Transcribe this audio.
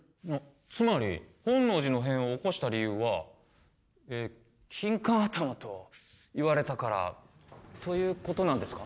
つまり本能寺の変を起こした理由はキンカン頭と言われたからということなんですか？